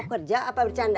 mau kerja apa bercanda